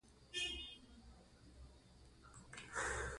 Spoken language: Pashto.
هندوکش د افغانستان د شنو سیمو ښکلا ده.